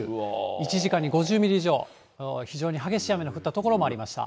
１時間に５０ミリ以上、非常に激しい雨の降った所もありました。